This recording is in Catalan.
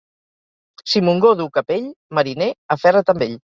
Si Montgó duu capell, mariner, aferra't amb ell.